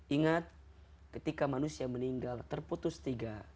ingat ketika manusia meninggal terputus tiga